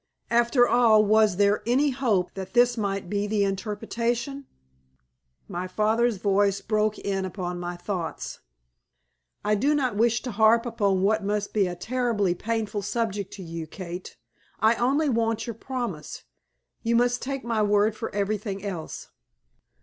After all was there any hope that this might be the interpretation? My father's voice broke in upon my thoughts. "I do not wish to harp upon what must be a terribly painful subject to you, Kate. I only want your promise, you must take my word for everything else."